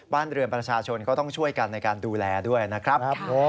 บ้านเรือนประชาชนก็ต้องช่วยกันในการดูแลด้วยนะครับ